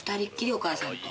お母さんと」